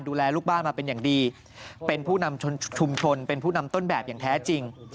ดูแลลูกบ้านมาเป็นอย่างดีเป็นผู้นำชุมชนเป็นผู้นำต้นแบบอย่างแท้จริง